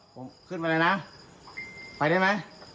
ผมขึ้นมาเลยนะไปได้ไหม